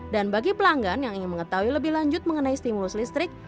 dan bagi pelanggan yang ingin mengetahui lebih lanjut mengenai stimulus listrik